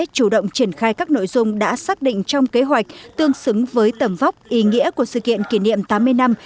chủ động triển khai các nội dung đã xác định trong kế hoạch tương xứng với tầm vóc ý nghĩa của sự kiện kỷ niệm tám mươi năm